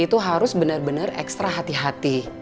itu harus benar benar ekstra hati hati